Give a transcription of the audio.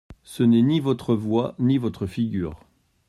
Ce n'est ni votre voix ni votre figure.